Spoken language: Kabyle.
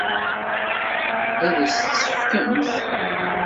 Ad as-tt-tefkemt?